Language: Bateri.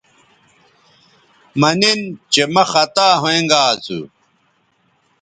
مہ نن چہ مہ خطا ھوینگا اسو